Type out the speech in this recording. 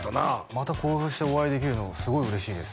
またこうしてお会いできるのすごい嬉しいです